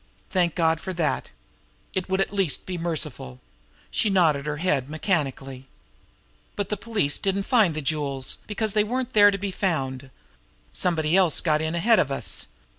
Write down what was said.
Thank God for that! It would at least be merciful! She nodded her head mechanically. "But the police didn't find the jewels because they weren't there to be found. Somebody got in ahead of us.